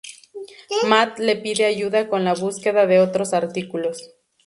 Matt le pide ayuda con la búsqueda de otros artículos.